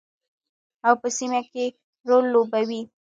او په سیمه کې رول لوبوي.